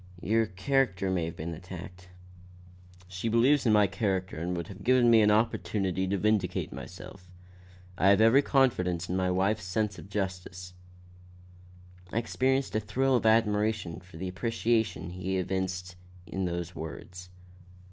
Your character may have been attacked." "She believes in my character and would have given me an opportunity to vindicate myself. I have every confidence in my wife's sense of justice." I experienced a thrill of admiration for the appreciation he evinced in those words.